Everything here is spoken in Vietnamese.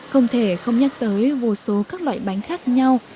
không thể không nhắc tới vô số các loại bánh khác nhau